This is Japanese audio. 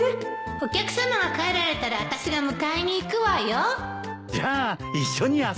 お客さまが帰られたら私が迎えに行くわよじゃあ一緒に遊ぼう。